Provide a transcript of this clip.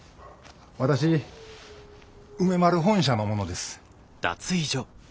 私梅丸本社の者です。